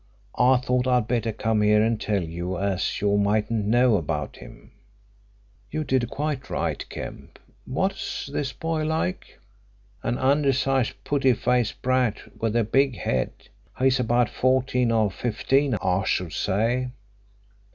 I thought I'd better come here and tell you, as you mightn't know about him." "You did quite right, Kemp. What's this boy like?" "An undersized putty faced brat with a big head. He's about fourteen or fifteen, I should say."